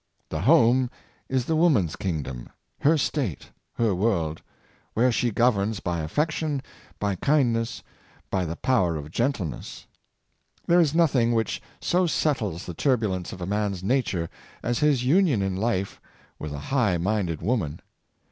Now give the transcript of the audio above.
The home is the woman's kingdom, her state, her world — The Wife a Counsellor, 567 where she governs by affection, by kindness, by the power of gentleness. There is nothing which so settles the turbulence of a man's nature as his union in life with a high minded woman.